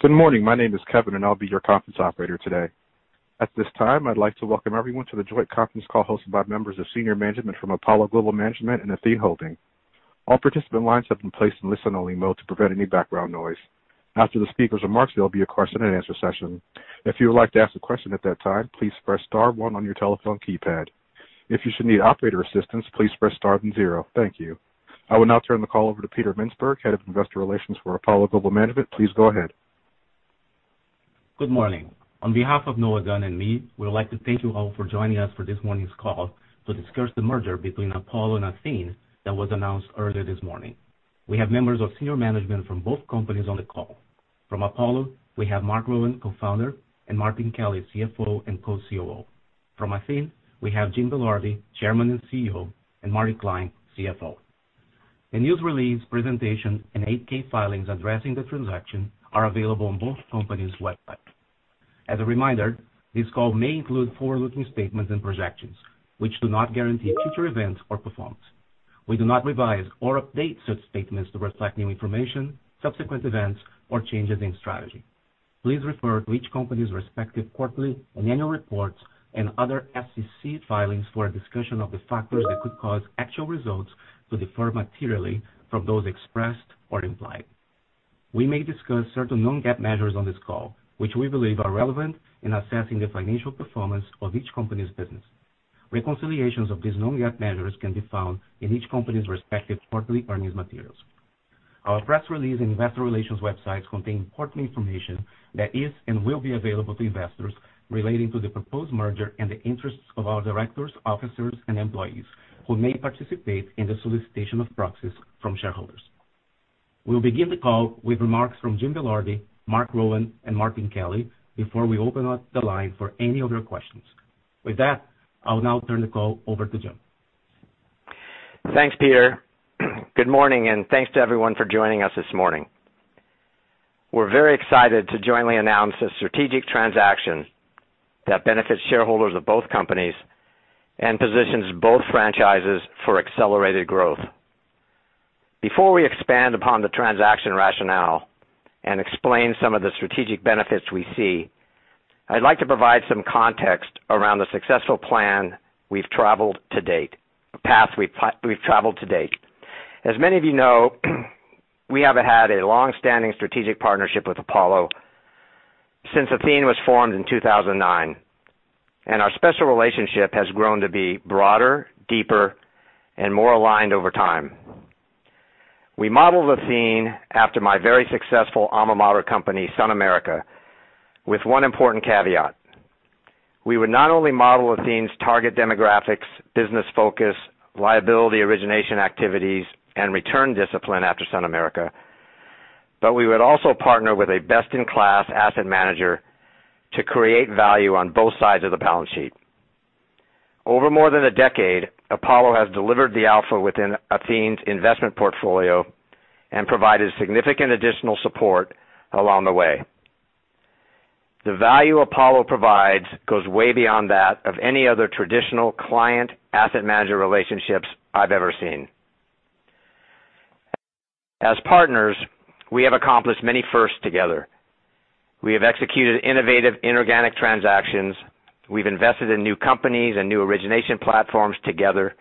Good morning. My name is Kevin, and I'll be your conference operator today. At this time, I'd like to welcome everyone to the joint conference call hosted by members of senior management from Apollo Global Management and Athene Holding. All participant lines have been placed in listen-only mode to prevent any background noise. After the speakers' remarks, there will be a question-and-answer session. If you would like to ask a question at that time, please press star one on your telephone keypad. If you should need operator assistance, please press star then zero. Thank you. I will now turn the call over to Peter Mintzberg, Head of Investor Relations for Apollo Global Management. Please go ahead. Good morning. On behalf of Noah Gunn and me, we would like to thank you all for joining us for this morning's call to discuss the merger between Apollo and Athene that was announced earlier this morning. We have members of senior management from both companies on the call. From Apollo, we have Marc Rowan, Co-Founder, and Martin Kelly, CFO and Co-COO. From Athene, we have Jim Belardi, Chairman and CEO, and Martin Klein, CFO. A news release presentation and 8-K filings addressing the transaction are available on both companies' websites. As a reminder, this call may include forward-looking statements and projections, which do not guarantee future events or performance. We do not revise or update such statements to reflect new information, subsequent events, or changes in strategy. Please refer to each company's respective quarterly and annual reports and other SEC filings for a discussion of the factors that could cause actual results to differ materially from those expressed or implied. We may discuss certain non-GAAP measures on this call, which we believe are relevant in assessing the financial performance of each company's business. Reconciliations of these non-GAAP measures can be found in each company's respective quarterly earnings materials. Our press release and investor relations websites contain important information that is and will be available to investors relating to the proposed merger and the interests of our directors, officers, and employees who may participate in the solicitation of proxies from shareholders. We will begin the call with remarks from Jim Belardi, Marc Rowan, and Martin Kelly before we open up the line for any of your questions. With that, I'll now turn the call over to Jim. Thanks, Peter. Good morning. Thanks to everyone for joining us this morning. We're very excited to jointly announce a strategic transaction that benefits shareholders of both companies and positions both franchises for accelerated growth. Before we expand upon the transaction rationale and explain some of the strategic benefits we see, I'd like to provide some context around the successful plan we've traveled to date. As many of you know, we have had a long-standing strategic partnership with Apollo since Athene was formed in 2009, and our special relationship has grown to be broader, deeper, and more aligned over time. We modeled Athene after my very successful alma mater company, SunAmerica, with one important caveat. We would not only model Athene's target demographics, business focus, liability origination activities, and return discipline after SunAmerica, but we would also partner with a best-in-class asset manager to create value on both sides of the balance sheet. Over more than a decade, Apollo has delivered the alpha within Athene's investment portfolio and provided significant additional support along the way. The value Apollo provides goes way beyond that of any other traditional client-asset manager relationships I've ever seen. As partners, we have accomplished many firsts together. We have executed innovative inorganic transactions, we've invested in new companies and new origination platforms together,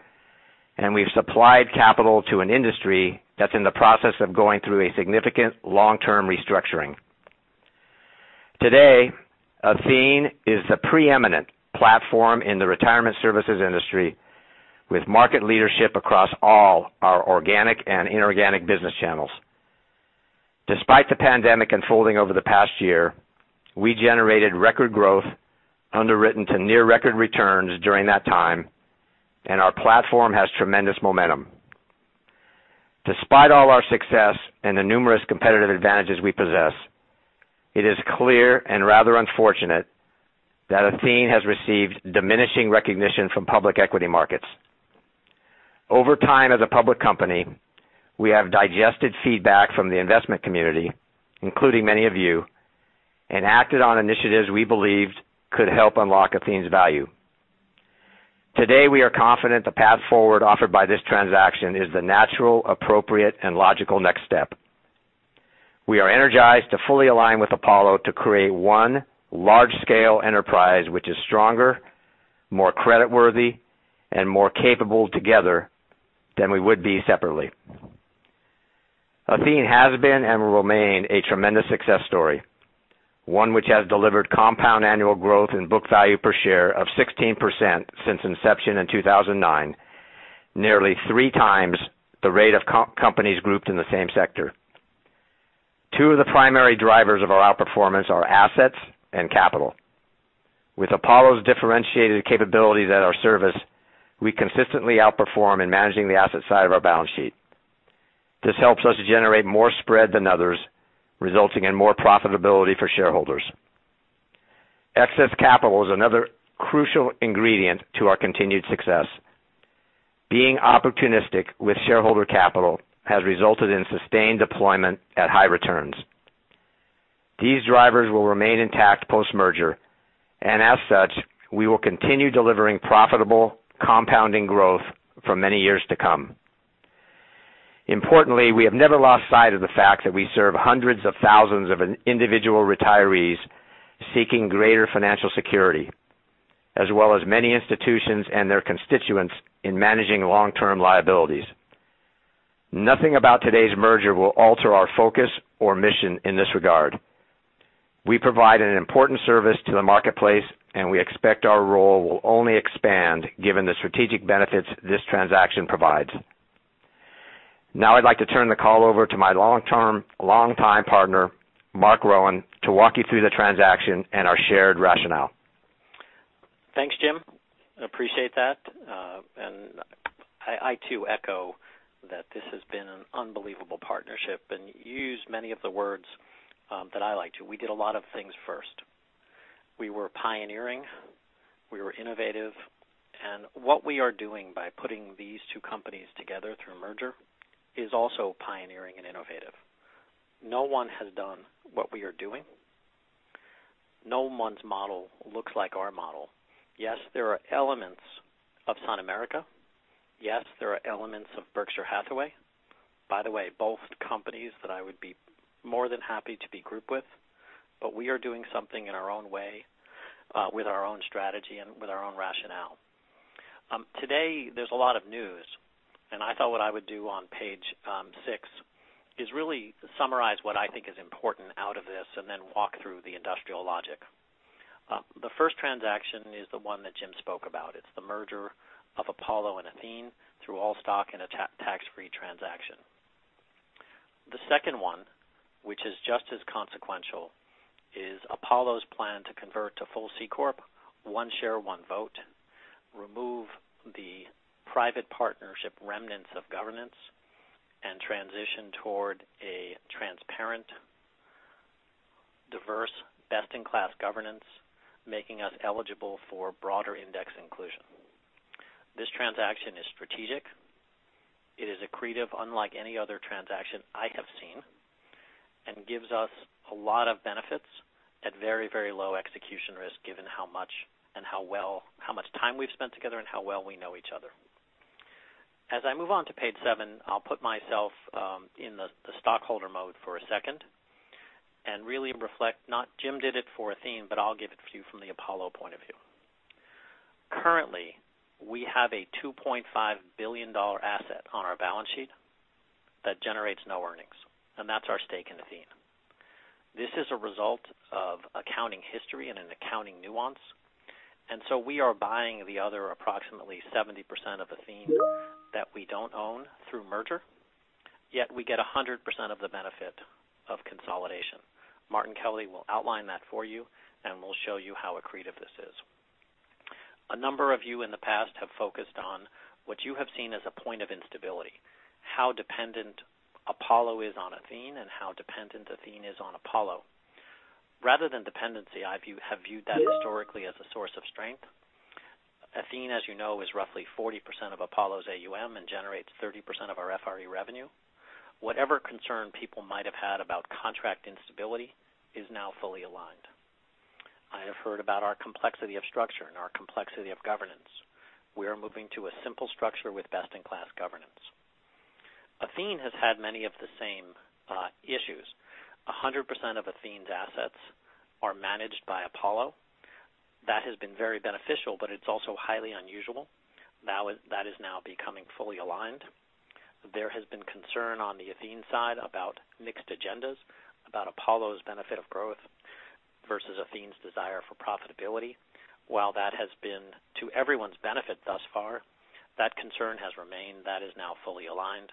and we've supplied capital to an industry that's in the process of going through a significant long-term restructuring. Today, Athene is the preeminent platform in the retirement services industry, with market leadership across all our organic and inorganic business channels. Despite the pandemic unfolding over the past year, we generated record growth underwritten to near record returns during that time, and our platform has tremendous momentum. Despite all our success and the numerous competitive advantages we possess, it is clear and rather unfortunate that Athene has received diminishing recognition from public equity markets. Over time as a public company, we have digested feedback from the investment community, including many of you, and acted on initiatives we believed could help unlock Athene's value. Today, we are confident the path forward offered by this transaction is the natural, appropriate, and logical next step. We are energized to fully align with Apollo to create one large-scale enterprise which is stronger, more creditworthy, and more capable together than we would be separately. Athene has been and will remain a tremendous success story. One which has delivered compound annual growth in book value per share of 16% since inception in 2009, nearly three times the rate of companies grouped in the same sector. Two of the primary drivers of our outperformance are assets and capital. With Apollo's differentiated capabilities at our service, we consistently outperform in managing the asset side of our balance sheet. This helps us generate more spread than others, resulting in more profitability for shareholders. Excess capital is another crucial ingredient to our continued success. Being opportunistic with shareholder capital has resulted in sustained deployment at high returns. These drivers will remain intact post-merger, and as such, we will continue delivering profitable compounding growth for many years to come. Importantly, we have never lost sight of the fact that we serve hundreds of thousands of individual retirees seeking greater financial security, as well as many institutions and their constituents in managing long-term liabilities. Nothing about today's merger will alter our focus or mission in this regard. We provide an important service to the marketplace, and we expect our role will only expand given the strategic benefits this transaction provides. I'd like to turn the call over to my longtime partner, Marc Rowan, to walk you through the transaction and our shared rationale. Thanks, Jim. I appreciate that. I too echo that this has been an unbelievable partnership, and you used many of the words that I like too. We did a lot of things first. We were pioneering, we were innovative. What we are doing by putting these two companies together through a merger is also pioneering and innovative. No one has done what we are doing. No one's model looks like our model. Yes, there are elements of SunAmerica. Yes, there are elements of Berkshire Hathaway. By the way, both companies that I would be more than happy to be grouped with. We are doing something in our own way, with our own strategy and with our own rationale. Today, there's a lot of news, and I thought what I would do on page six is really summarize what I think is important out of this, and then walk through the industrial logic. The first transaction is the one that Jim spoke about. It's the merger of Apollo and Athene through all stock in a tax-free transaction. The second one, which is just as consequential, is Apollo's plan to convert to full C corp, one share, one vote, remove the private partnership remnants of governance, and transition toward a transparent, diverse, best-in-class governance, making us eligible for broader index inclusion. This transaction is strategic. It is accretive unlike any other transaction I have seen, and gives us a lot of benefits at very low execution risk, given how much time we've spent together and how well we know each other. I move on to page seven, I'll put myself in the stockholder mode for a second and really reflect, not Jim did it for Athene, but I'll give it to you from the Apollo point of view. Currently, we have a $2.5 billion asset on our balance sheet that generates no earnings, and that's our stake in Athene. This is a result of accounting history and an accounting nuance. We are buying the other approximately 70% of Athene that we don't own through merger. Yet we get 100% of the benefit of consolidation. Martin Kelly will outline that for you, and will show you how accretive this is. A number of you in the past have focused on what you have seen as a point of instability, how dependent Apollo is on Athene and how dependent Athene is on Apollo. Rather than dependency, I have viewed that historically as a source of strength. Athene, as you know, is roughly 40% of Apollo's AUM and generates 30% of our FRE revenue. Whatever concern people might have had about contract instability is now fully aligned. I have heard about our complexity of structure and our complexity of governance. We are moving to a simple structure with best-in-class governance. Athene has had many of the same issues. 100% of Athene's assets are managed by Apollo. That has been very beneficial, but it's also highly unusual. That is now becoming fully aligned. There has been concern on the Athene side about mixed agendas, about Apollo's benefit of growth versus Athene's desire for profitability. While that has been to everyone's benefit thus far, that concern has remained. That is now fully aligned.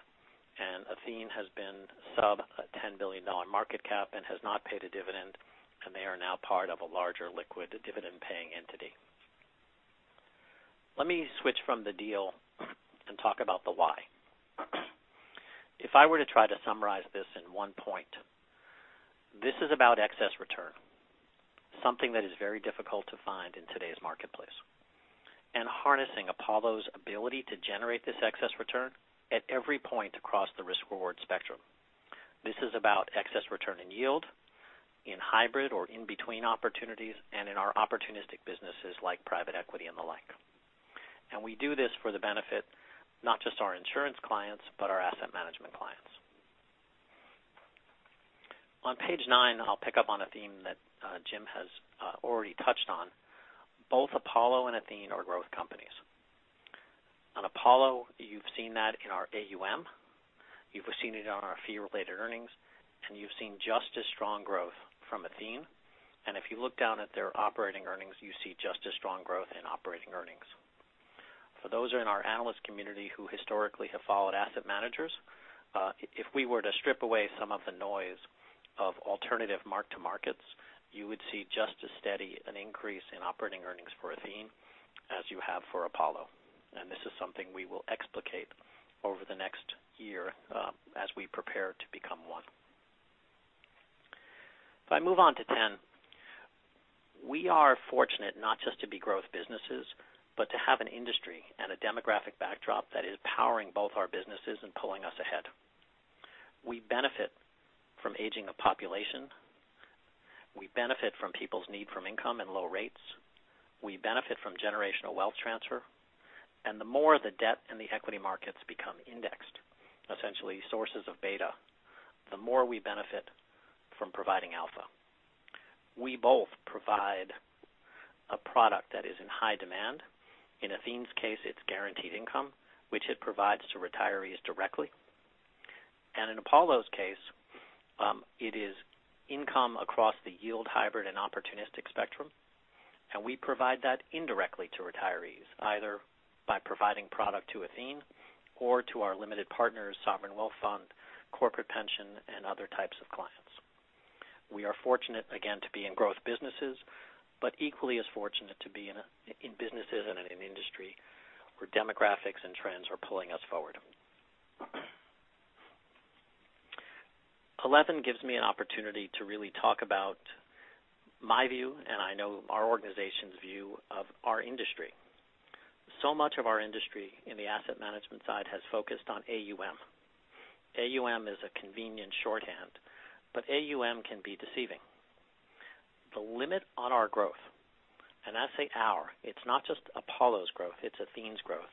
Athene has been sub a $10 billion market cap and has not paid a dividend, and they are now part of a larger liquid dividend-paying entity. Let me switch from the deal and talk about the why. If I were to try to summarize this in one point, this is about excess return. Something that is very difficult to find in today's marketplace. Harnessing Apollo's ability to generate this excess return at every point across the risk-reward spectrum. This is about excess return in yield, in hybrid or in between opportunities, and in our opportunistic businesses like private equity and the like. We do this for the benefit not just our insurance clients, but our asset management clients. On page nine, I'll pick up on a theme that Jim has already touched on. Both Apollo and Athene are growth companies. On Apollo, you've seen that in our AUM, you've seen it on our fee-related earnings, and you've seen just as strong growth from Athene. If you look down at their operating earnings, you see just as strong growth in operating earnings. For those in our analyst community who historically have followed asset managers, if we were to strip away some of the noise of alternative mark-to-markets, you would see just as steady an increase in operating earnings for Athene as you have for Apollo. This is something we will explicate over the next year as we prepare to become one. If I move on to 10, we are fortunate not just to be growth businesses, but to have an industry and a demographic backdrop that is powering both our businesses and pulling us. We benefit from aging of population. We benefit from people's need from income and low rates. We benefit from generational wealth transfer. The more the debt and the equity markets become indexed, essentially sources of beta, the more we benefit from providing alpha. We both provide a product that is in high demand. In Athene's case, it's guaranteed income, which it provides to retirees directly. In Apollo's case, it is income across the yield, hybrid, and opportunistic spectrum, and we provide that indirectly to retirees, either by providing product to Athene or to our limited partners, sovereign wealth fund, corporate pension, and other types of clients. We are fortunate, again, to be in growth businesses, but equally as fortunate to be in businesses and in an industry where demographics and trends are pulling us forward. 11 gives me an opportunity to really talk about my view, and I know our organization's view, of our industry. Much of our industry in the asset management side has focused on AUM. AUM is a convenient shorthand, but AUM can be deceiving. The limit on our growth, and I say our, it's not just Apollo's growth, it's Athene's growth,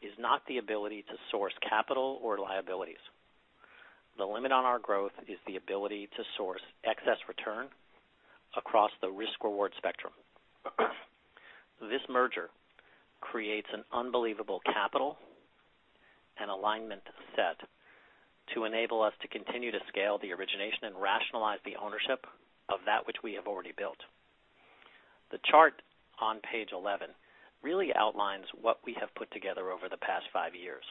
is not the ability to source capital or liabilities. The limit on our growth is the ability to source excess return across the risk/reward spectrum. This merger creates an unbelievable capital and alignment set to enable us to continue to scale the origination and rationalize the ownership of that which we have already built. The chart on page 11 really outlines what we have put together over the past five years.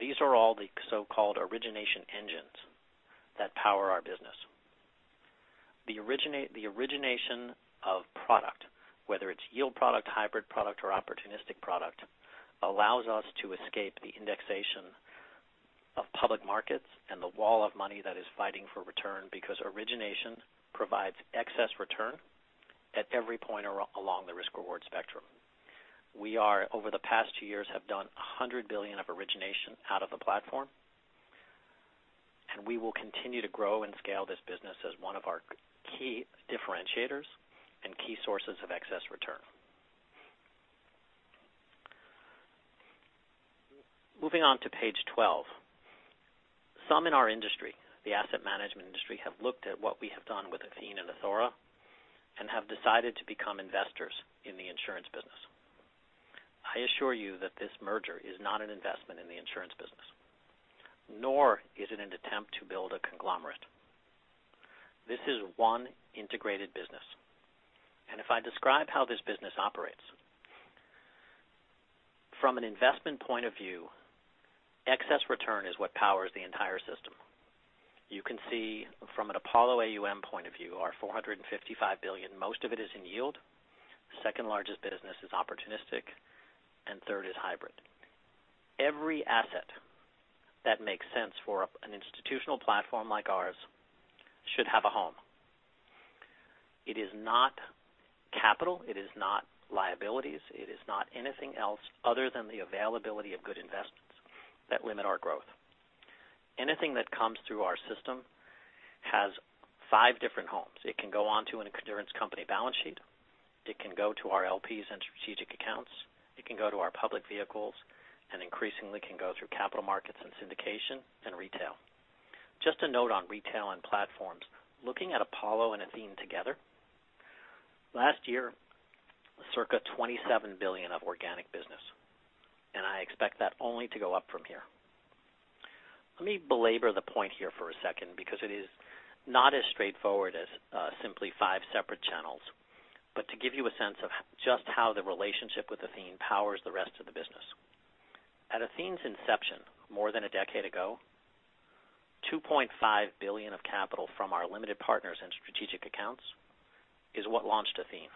These are all the so-called origination engines that power our business. The origination of product, whether it's yield product, hybrid product, or opportunistic product, allows us to escape the indexation of public markets and the wall of money that is fighting for return because origination provides excess return at every point along the risk/reward spectrum. Over the past two years, we have done $100 billion of origination out of the platform, and we will continue to grow and scale this business as one of our key differentiators and key sources of excess return. Moving on to page 12. Some in our industry, the asset management industry, have looked at what we have done with Athene and Athora and have decided to become investors in the insurance business. I assure you that this merger is not an investment in the insurance business, nor is it an attempt to build a conglomerate. This is one integrated business. If I describe how this business operates. From an investment point of view, excess return is what powers the entire system. You can see from an Apollo AUM point of view, our $455 billion, most of it is in yield. Second largest business is opportunistic, and third is hybrid. Every asset that makes sense for an institutional platform like ours should have a home. It is not capital, it is not liabilities, it is not anything else other than the availability of good investments that limit our growth. Anything that comes through our system has five different homes. It can go onto an endurance company balance sheet. It can go to our LPs and strategic accounts. It can go to our public vehicles, and increasingly, can go through capital markets and syndication and retail. Just a note on retail and platforms. Looking at Apollo and Athene together, last year, circa $27 billion of organic business. I expect that only to go up from here. Let me belabor the point here for a second because it is not as straightforward as simply five separate channels. To give you a sense of just how the relationship with Athene powers the rest of the business. At Athene's inception, more than a decade ago, $2.5 billion of capital from our limited partners and strategic accounts is what launched Athene.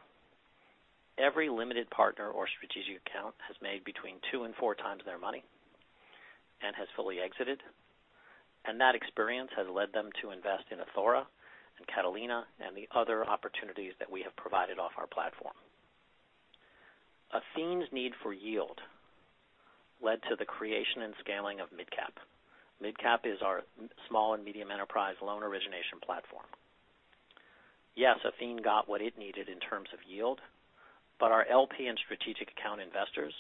Every limited partner or strategic account has made between two and four times their money and has fully exited. That experience has led them to invest in Athora and Catalina and the other opportunities that we have provided off our platform. Athene's need for yield led to the creation and scaling of MidCap. MidCap is our small and medium enterprise loan origination platform. Yes, Athene got what it needed in terms of yield, but our LP and strategic account investors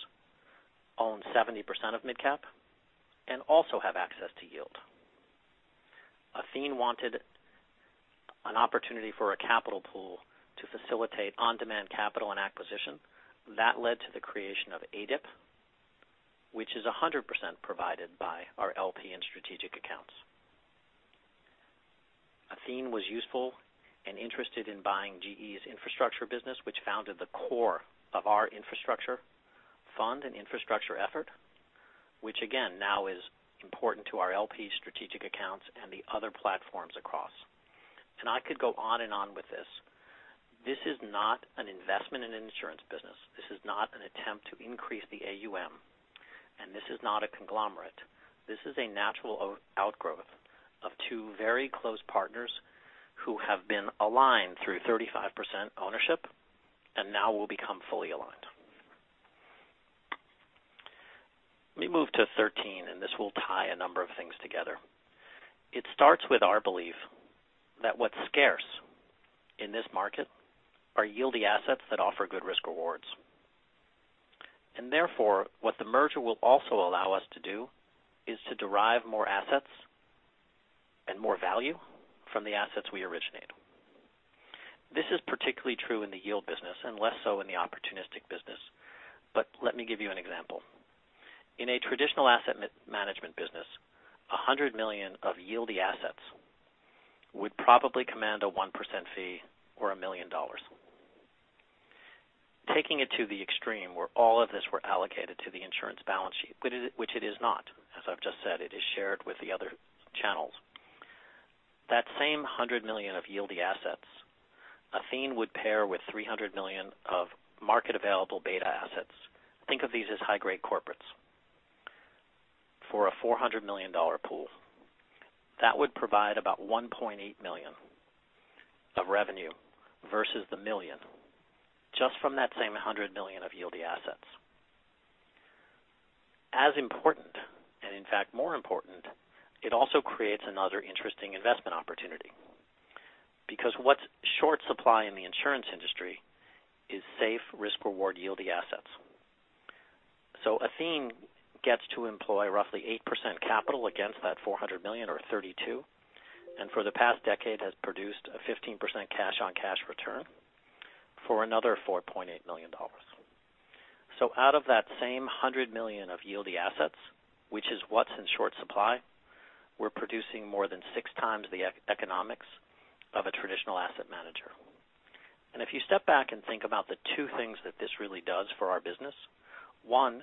own 70% of MidCap and also have access to yield. Athene wanted an opportunity for a capital pool to facilitate on-demand capital and acquisition. That led to the creation of ADIP, which is 100% provided by our LP and strategic accounts. Athene was useful and interested in buying GE's infrastructure business, which founded the core of our infrastructure fund and infrastructure effort, which again, now is important to our LP strategic accounts and the other platforms across. I could go on and on with this. This is not an investment in an insurance business. This is not an attempt to increase the AUM, and this is not a conglomerate. This is a natural outgrowth of two very close partners who have been aligned through 35% ownership and now will become fully aligned. Let me move to 13, and this will tie a number of things together. It starts with our belief that what's scarce in this market are yieldy assets that offer good risk rewards. Therefore, what the merger will also allow us to do is to derive more assets and more value from the assets we originate. This is particularly true in the yield business and less so in the opportunistic business. Let me give you an example. In a traditional asset management business, $100 million of yieldy assets would probably command a 1% fee or $1 million. Taking it to the extreme where all of this were allocated to the insurance balance sheet, which it is not, as I've just said, it is shared with the other channels. The same $100 million of yieldy assets, Athene would pair with $300 million of market available beta assets. Think of these as high-grade corporates for a $400 million pool. That would provide about $1.8 million of revenue versus the $1 million just from that same $100 million of yieldy assets. What's short supply in the insurance industry is safe risk reward yieldy assets. Athene gets to employ roughly 8% capital against that $400 million or $32 million, and for the past decade has produced a 15% cash on cash return for another $4.8 million. Out of that same $100 million of yieldy assets, which is what's in short supply, we're producing more than 6x the economics of a traditional asset manager. If you step back and think about the two things that this really does for our business, one,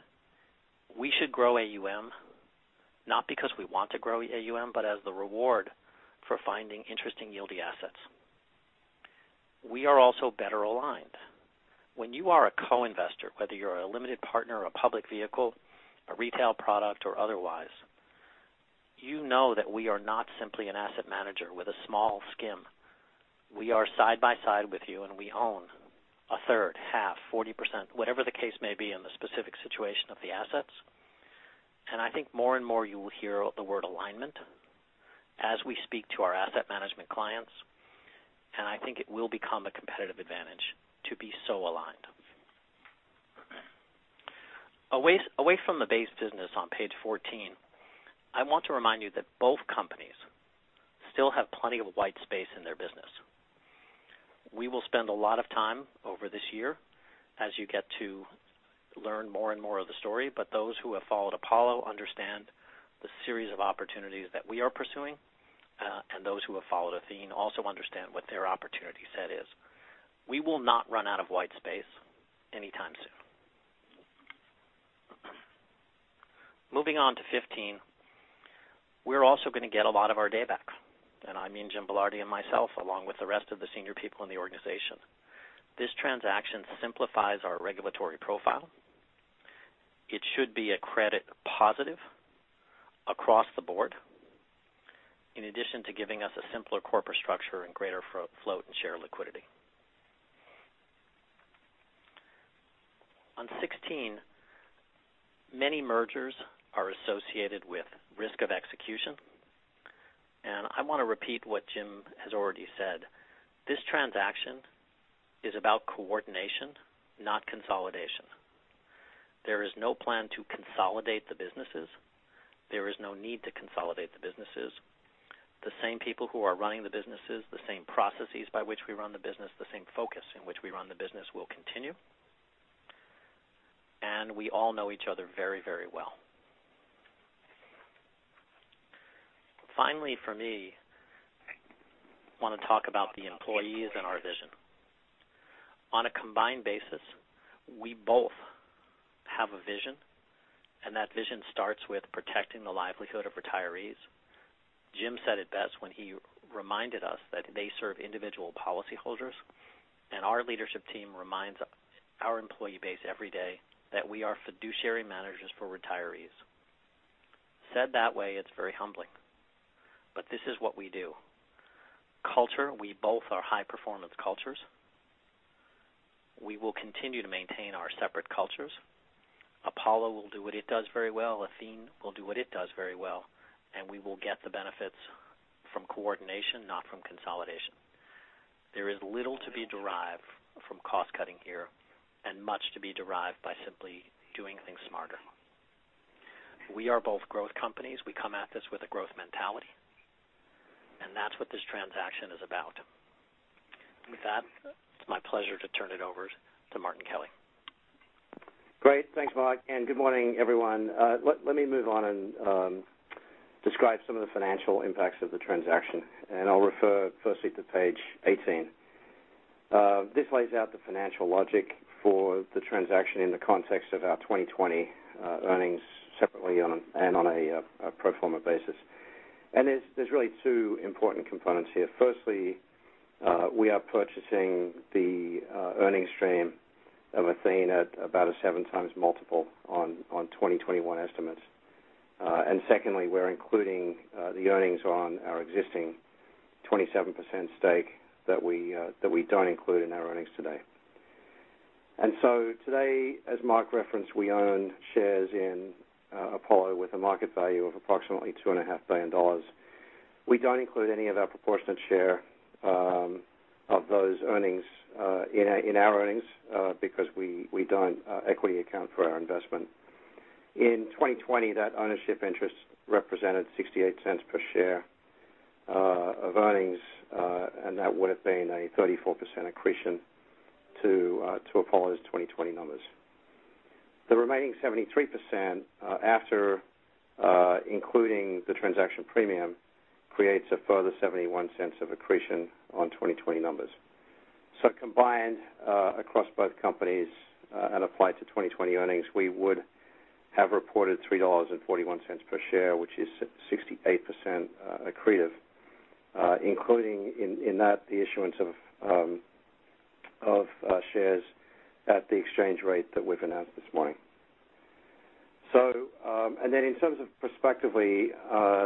we should grow AUM, not because we want to grow AUM, but as the reward for finding interesting yieldy assets. We are also better aligned. When you are a co-investor, whether you're a limited partner or a public vehicle, a retail product, or otherwise, you know that we are not simply an asset manager with a small skim. We are side by side with you and we own a third, half, 40%, whatever the case may be in the specific situation of the assets. I think more and more you will hear the word alignment as we speak to our asset management clients, I think it will become a competitive advantage to be so aligned. Away from the base business on page 14, I want to remind you that both companies still have plenty of white space in their business. We will spend a lot of time over this year as you get to learn more and more of the story, those who have followed Apollo understand the series of opportunities that we are pursuing, those who have followed Athene also understand what their opportunity set is. We will not run out of white space anytime soon. Moving on to 15. We're also going to get a lot of our day back, I mean Jim Belardi and myself, along with the rest of the senior people in the organization. This transaction simplifies our regulatory profile. It should be a credit positive across the board, in addition to giving us a simpler corporate structure and greater float and share liquidity. On 16, many mergers are associated with risk of execution. I want to repeat what Jim has already said. This transaction is about coordination, not consolidation. There is no plan to consolidate the businesses. There is no need to consolidate the businesses. The same people who are running the businesses, the same processes by which we run the business, the same focus in which we run the business will continue. We all know each other very, very well. Finally for me, I want to talk about the employees and our vision. On a combined basis, we both have a vision, and that vision starts with protecting the livelihood of retirees. Jim said it best when he reminded us that they serve individual policyholders, and our leadership team reminds our employee base every day that we are fiduciary managers for retirees. Said that way, it's very humbling. This is what we do. Culture, we both are high performance cultures. We will continue to maintain our separate cultures. Apollo will do what it does very well. Athene will do what it does very well, and we will get the benefits from coordination, not from consolidation. There is little to be derived from cost-cutting here and much to be derived by simply doing things smarter. We are both growth companies. We come at this with a growth mentality, and that's what this transaction is about. With that, it's my pleasure to turn it over to Martin Kelly. Great. Thanks, Marc, and good morning, everyone. Let me move on and describe some of the financial impacts of the transaction, and I'll refer firstly to page 18. This lays out the financial logic for the transaction in the context of our 2020 earnings separately and on a pro forma basis. There's really two important components here. Firstly, we are purchasing the earning stream of Athene at about a 7x multiple on 2021 estimates. Secondly, we're including the earnings on our existing 27% stake that we don't include in our earnings today. Today, as Marc referenced, we own shares in Apollo with a market value of approximately $2.5 billion. We don't include any of our proportionate share of those earnings in our earnings because we don't equity account for our investment. In 2020, that ownership interest represented $0.68 per share of earnings, and that would have been a 34% accretion to Apollo's 2020 numbers. The remaining 73%, after including the transaction premium, creates a further $0.71 of accretion on 2020 numbers. Combined across both companies and applied to 2020 earnings, we would have reported $3.41 per share, which is 68% accretive, including in that the issuance of shares at the exchange rate that we've announced this morning. In terms of perspectively,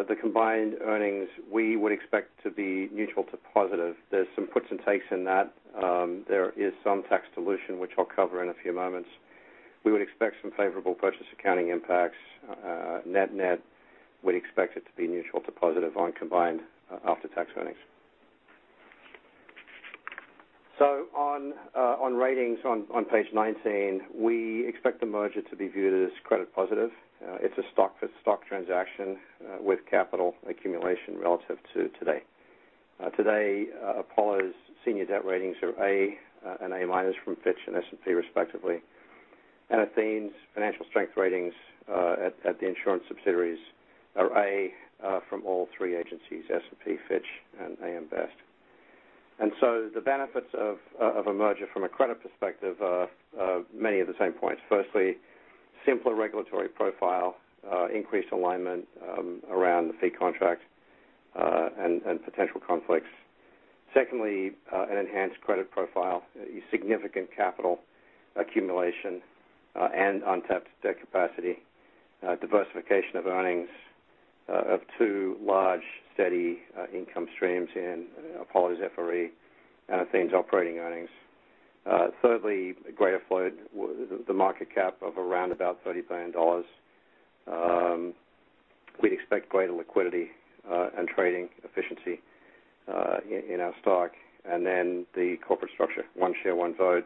the combined earnings, we would expect to be neutral to positive. There's some puts and takes in that. There is some tax dilution, which I'll cover in a few moments. We would expect some favorable purchase accounting impacts. Net-net, we'd expect it to be neutral to positive on combined after-tax earnings. On ratings on page 19, we expect the merger to be viewed as credit positive. It's a stock for stock transaction with capital accumulation relative to today. Today, Apollo's senior debt ratings are A and A minus from Fitch and S&P, respectively. Athene's financial strength ratings at the insurance subsidiaries are A from all three agencies, S&P, Fitch, and AM Best. The benefits of a merger from a credit perspective are many of the same points. Firstly, simpler regulatory profile, increased alignment around the fee contracts and potential conflicts. Secondly, an enhanced credit profile, significant capital accumulation, and untapped debt capacity, diversification of earnings of two large, steady income streams in Apollo's FRE and Athene's operating earnings. Thirdly, greater float, the market cap of around about $30 billion. We'd expect greater liquidity and trading efficiency in our stock. Then the corporate structure, one share, one vote,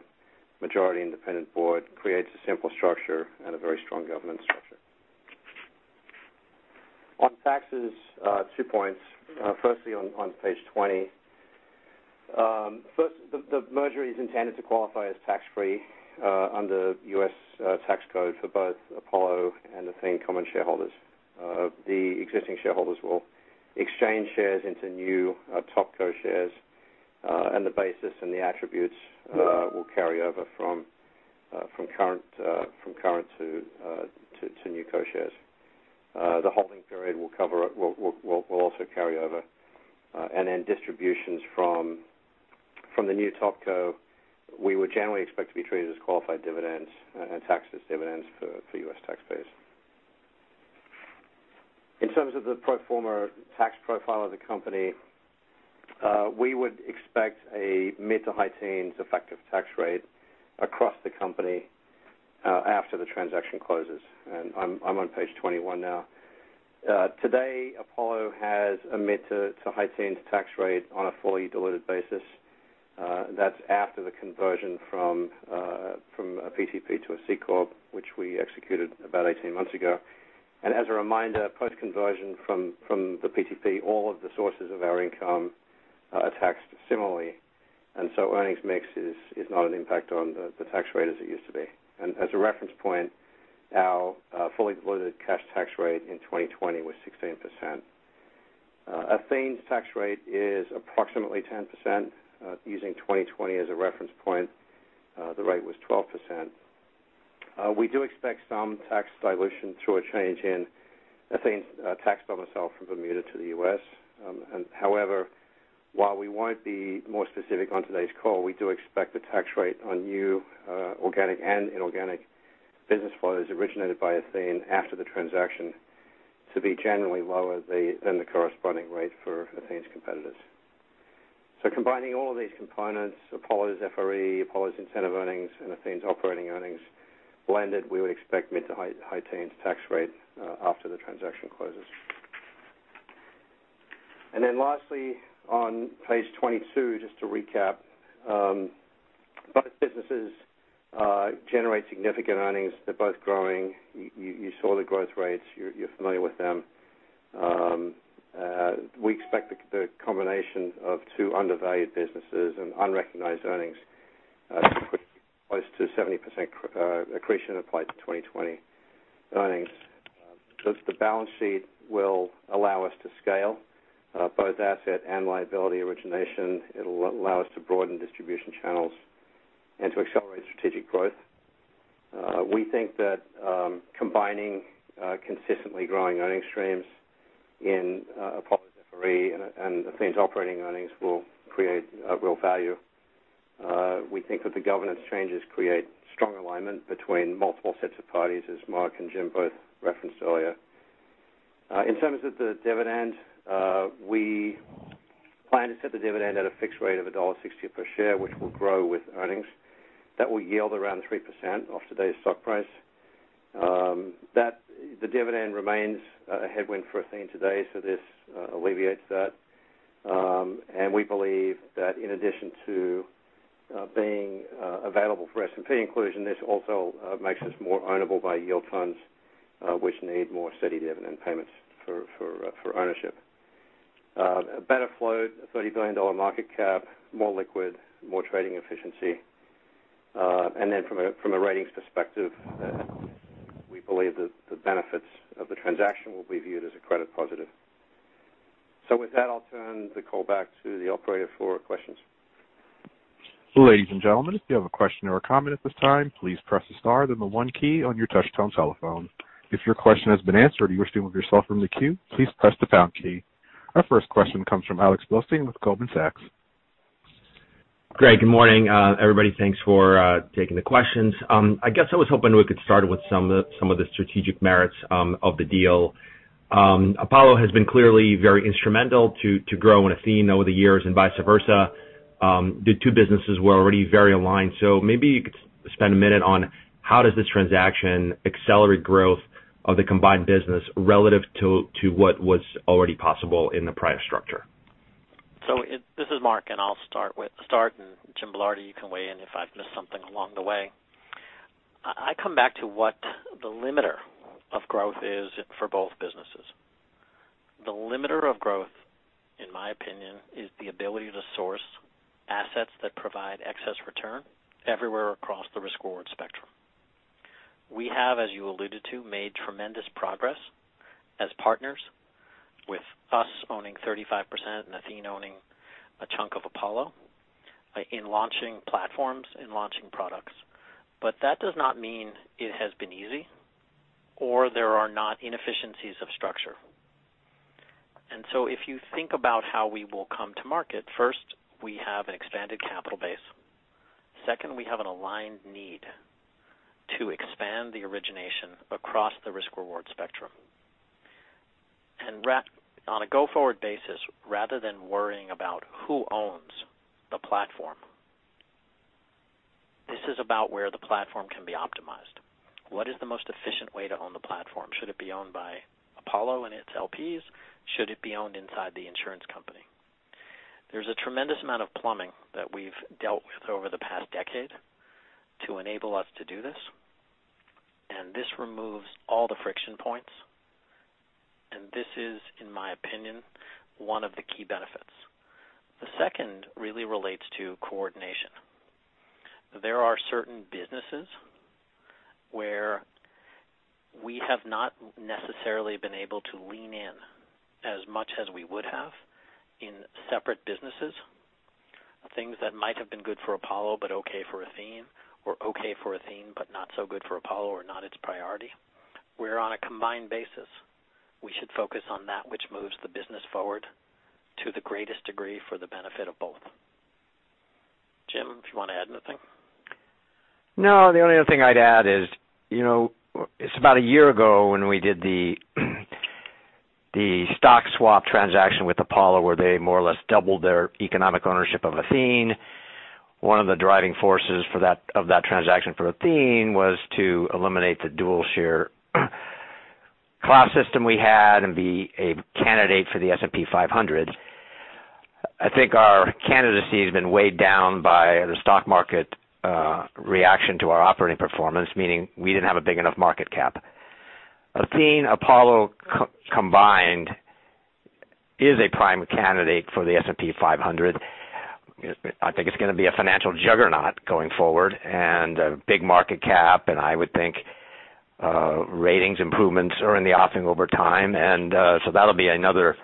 majority independent board creates a simple structure and a very strong governance structure. On taxes two points. Firstly, on page 20. First, the merger is intended to qualify as tax-free under the US tax code for both Apollo and Athene common shareholders. The existing shareholders will exchange shares into new topco shares, and the basis and the attributes will carry over from current to newco shares. The holding period will also carry over. Then distributions from the new topco, we would generally expect to be treated as qualified dividends and taxed as dividends for US taxpayers. In terms of the pro forma tax profile of the company, we would expect a mid to high teens effective tax rate across the company after the transaction closes. I'm on page 21 now. Today, Apollo has a mid to high teens tax rate on a fully diluted basis. That's after the conversion from a PTP to a C corp, which we executed about 18 months ago. As a reminder, post-conversion from the PTP, all of the sources of our income are taxed similarly, and so earnings mix is not an impact on the tax rate as it used to be. As a reference point, our fully diluted cash tax rate in 2020 was 16%. Athene's tax rate is approximately 10%, using 2020 as a reference point the rate was 12%. We do expect some tax dilution through a change in Athene's tax domicile from Bermuda to the U.S. However, while we won't be more specific on today's call, we do expect the tax rate on new organic and inorganic business flow that is originated by Athene after the transaction to be generally lower than the corresponding rate for Athene's competitors. Combining all of these components, Apollo's FRE, Apollo's incentive earnings, and Athene's operating earnings blended, we would expect mid to high teens tax rate after the transaction closes. Lastly, on page 22, just to recap. Both businesses generate significant earnings. They're both growing. You saw the growth rates. You're familiar with them. We expect the combination of two undervalued businesses and unrecognized earnings to create close to 70% accretion applied to 2020 earnings. Thus, the balance sheet will allow us to scale both asset and liability origination. It'll allow us to broaden distribution channels and to accelerate strategic growth. We think that combining consistently growing earning streams in Apollo's FRE and Athene's operating earnings will create real value We think that the governance changes create strong alignment between multiple sets of parties, as Marc and Jim both referenced earlier. In terms of the dividend, we plan to set the dividend at a fixed rate of $1.60 per share, which will grow with earnings. That will yield around 3% off today's stock price. The dividend remains a headwind for Athene today, this alleviates that. We believe that in addition to being available for S&P inclusion, this also makes us more ownable by yield funds, which need more steady dividend payments for ownership. A better float, a $30 billion market cap, more liquid, more trading efficiency. From a ratings perspective, we believe that the benefits of the transaction will be viewed as a credit positive. With that, I'll turn the call back to the operator for questions. Our first question comes from Alexander Blostein with Goldman Sachs. Greg, good morning. Everybody, thanks for taking the questions. I guess I was hoping we could start with some of the strategic merits of the deal. Apollo has been clearly very instrumental to grow Athene over the years and vice versa. The two businesses were already very aligned. Maybe you could spend a minute on how does this transaction accelerate growth of the combined business relative to what was already possible in the prior structure. This is Marc, and I'll start. Jim Belardi, you can weigh in if I've missed something along the way. I come back to what the limiter of growth is for both businesses. The limiter of growth, in my opinion, is the ability to source assets that provide excess return everywhere across the risk-reward spectrum. We have, as you alluded to, made tremendous progress as partners with us owning 35% and Athene owning a chunk of Apollo in launching platforms, in launching products. That does not mean it has been easy or there are not inefficiencies of structure. If you think about how we will come to market, first, we have an expanded capital base. Second, we have an aligned need to expand the origination across the risk-reward spectrum. On a go-forward basis, rather than worrying about who owns the platform, this is about where the platform can be optimized. What is the most efficient way to own the platform? Should it be owned by Apollo and its LPs? Should it be owned inside the insurance company? There's a tremendous amount of plumbing that we've dealt with over the past decade to enable us to do this, and this removes all the friction points. This is, in my opinion, one of the key benefits. The second really relates to coordination. There are certain businesses where we have not necessarily been able to lean in as much as we would have in separate businesses. Things that might have been good for Apollo but okay for Athene, or okay for Athene but not so good for Apollo or not its priority. Where on a combined basis, we should focus on that which moves the business forward to the greatest degree for the benefit of both. Jim, if you want to add anything. No, the only other thing I'd add is, it's about a year ago when we did the stock swap transaction with Apollo, where they more or less doubled their economic ownership of Athene. One of the driving forces of that transaction for Athene was to eliminate the dual-share class system we had and be a candidate for the S&P 500. I think our candidacy has been weighed down by the stock market reaction to our operating performance, meaning we didn't have a big enough market cap. Athene Apollo combined is a prime candidate for the S&P 500. I think it's going to be a financial juggernaut going forward and a big market cap, and I would think ratings improvements are in the offing over time. That'll be another,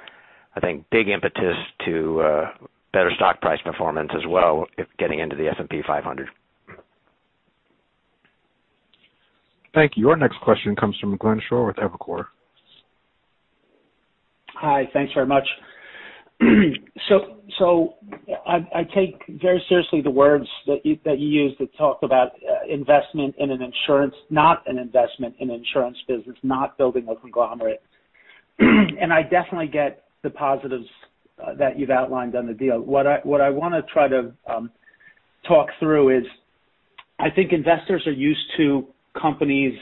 I think, big impetus to better stock price performance as well if getting into the S&P 500. Thank you. Our next question comes from Glenn Schorr with Evercore. Hi. Thanks very much. I take very seriously the words that you use to talk about investment in an insurance, not an investment in insurance business, not building a conglomerate. I definitely get the positives that you've outlined on the deal. What I want to try to talk through is, I think investors are used to companies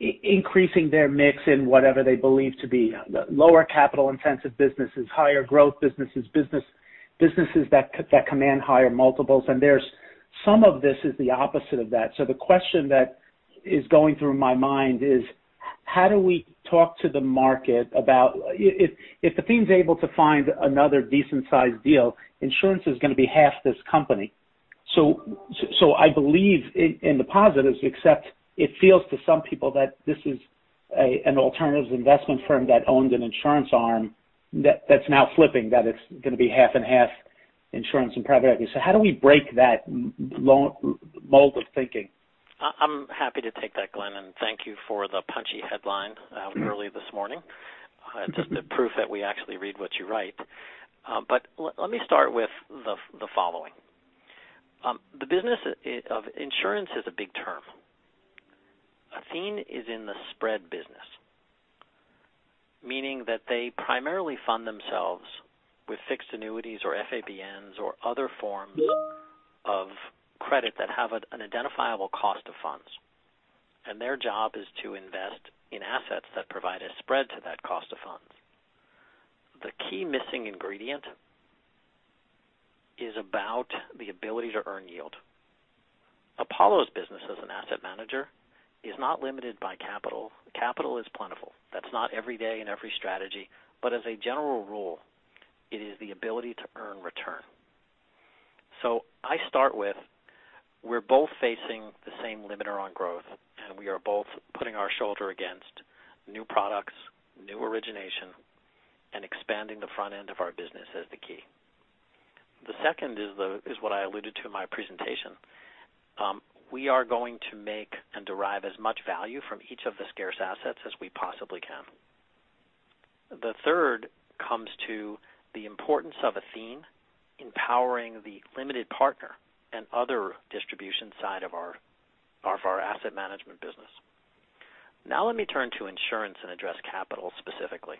increasing their mix in whatever they believe to be lower capital intensive businesses, higher growth businesses that command higher multiples. There's some of this is the opposite of that. The question that is going through my mind is, how do we talk to the market about if Athene's able to find another decent sized deal, insurance is going to be half this company. I believe in the positives, except it feels to some people that this is an alternatives investment firm that owns an insurance arm that's now flipping, that it's going to be half and half insurance and private equity. How do we break that mold of thinking? I'm happy to take that, Glenn, and thank you for the punchy headline early this morning. Just the proof that we actually read what you write. Let me start with the following. The business of insurance is a big term. Athene is in the spread business, meaning that they primarily fund themselves with fixed annuities or FABNs or other forms of credit that have an identifiable cost of funds. Their job is to invest in assets that provide a spread to that cost of funds. The key missing ingredient is about the ability to earn yield. Apollo's business as an asset manager is not limited by capital. Capital is plentiful. That's not every day and every strategy, but as a general rule, it is the ability to earn return. I start with, we're both facing the same limiter on growth, and we are both putting our shoulder against new products, new origination, and expanding the front end of our business as the key. The second is what I alluded to in my presentation. We are going to make and derive as much value from each of the scarce assets as we possibly can. The third comes to the importance of Athene empowering the limited partner and other distribution side of our asset management business. Let me turn to insurance and address capital specifically.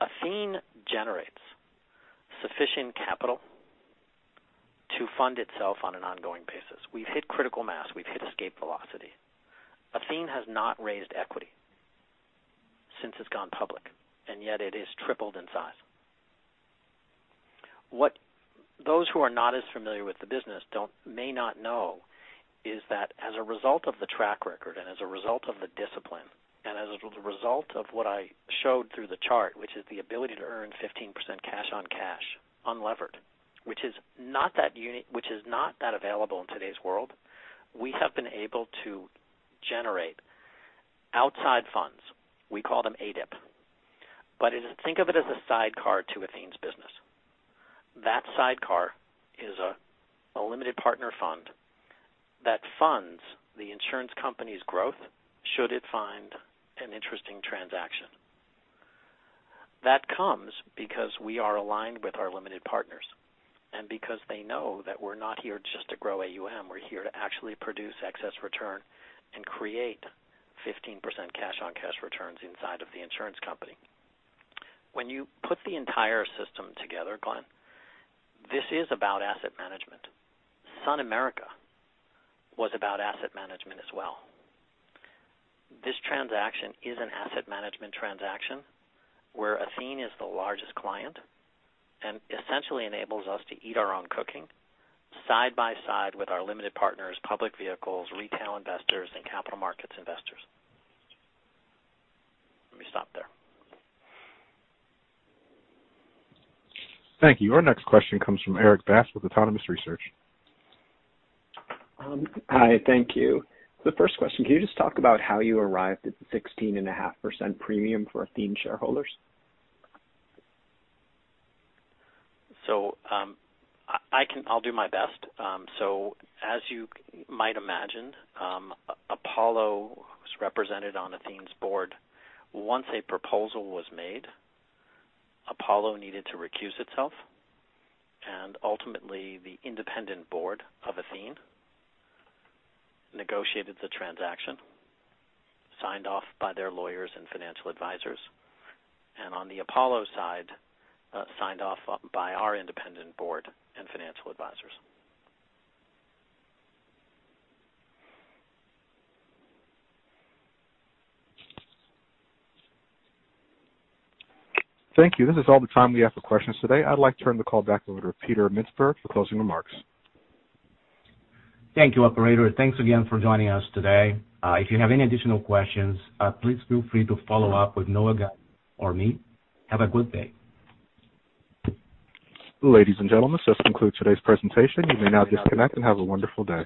Athene generates sufficient capital to fund itself on an ongoing basis. We've hit critical mass. We've hit escape velocity. Athene has not raised equity since it's gone public, and yet it has tripled in size. What those who are not as familiar with the business may not know is that as a result of the track record and as a result of the discipline, and as a result of what I showed through the chart, which is the ability to earn 15% cash on cash, unlevered, which is not that available in today's world, we have been able to generate outside funds. We call them ADIP. Think of it as a sidecar to Athene's business. That sidecar is a limited partner fund that funds the insurance company's growth should it find an interesting transaction. That comes because we are aligned with our limited partners and because they know that we're not here just to grow AUM. We're here to actually produce excess return and create 15% cash on cash returns inside of the insurance company. When you put the entire system together, Glenn, this is about asset management. SunAmerica was about asset management as well. This transaction is an asset management transaction where Athene is the largest client and essentially enables us to eat our own cooking side by side with our limited partners, public vehicles, retail investors, and capital markets investors. Let me stop there. Thank you. Our next question comes from Erik Bass with Autonomous Research. Hi. Thank you. The first question, can you just talk about how you arrived at the 16.5% premium for Athene shareholders? I'll do my best. As you might imagine, Apollo is represented on Athene's board. Once a proposal was made, Apollo needed to recuse itself, and ultimately the independent board of Athene negotiated the transaction, signed off by their lawyers and financial advisors, and on the Apollo side, signed off by our independent board and financial advisors. Thank you. This is all the time we have for questions today. I'd like to turn the call back over to Peter Mintzberg for closing remarks. Thank you, operator. Thanks again for joining us today. If you have any additional questions, please feel free to follow up with Noah Gunn or me. Have a good day. Ladies and gentlemen, this concludes today's presentation. You may now disconnect, and have a wonderful day.